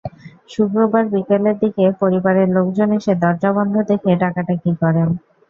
শুক্রবার বিকেলের দিকে পরিবারের লোকজন এসে দরজা বন্ধ দেখে ডাকাডাকি করেন।